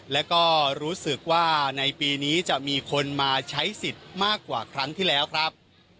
แล้วก็รู้สึกว่าในปีนี้จะมีคนมาใช้สิทธิ์มากกว่าครั้งที่แล้วครับ